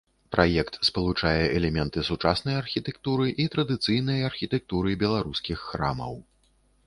Праект спалучае элементы сучаснай архітэктуры і традыцыйнай архітэктуры беларускіх храмаў.